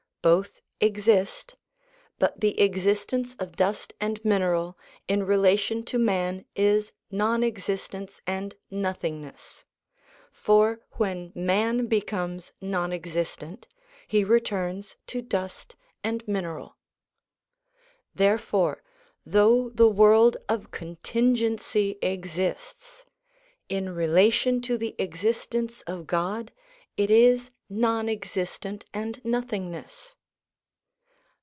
Both exist, but the existence of dust and mineral, in relation to man, is non existence and nothingness ; for when man becomes non existent he returns to dust and mineral. Therefore, though the world of contingency exists, in relation to the existence of God it is non existent and nothingness.